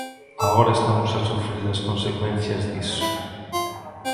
Agora estamos a sufrir as consecuencias diso.